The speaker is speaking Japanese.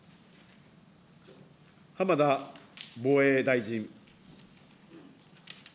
浜田防衛大臣。